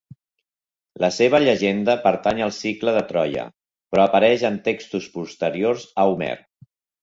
La seva llegenda pertany al cicle de Troia, però apareix en textos posteriors a Homer.